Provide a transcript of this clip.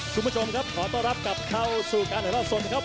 ทุกผู้ชมครับขอต้อนรับกลับเข้าสู่การให้รับสนครับ